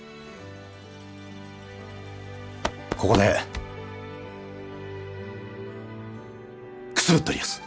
ここでくすぶっておりやす。